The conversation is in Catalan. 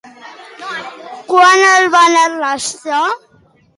Quan el van arrestar?